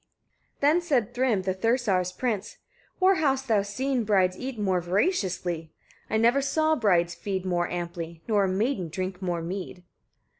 26. Then said Thrym, the Thursar's prince: "Where hast thou seen brides eat more voraciously? I never saw brides feed more amply, nor a maiden drink more mead."